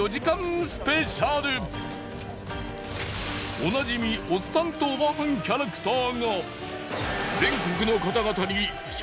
おなじみおっさんとおばはんキャラクターが。